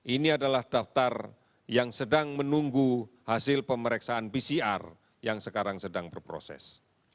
ini adalah daftar yang sedang menunggu hasil pemeriksaan pcr yang sekarang sedang berproses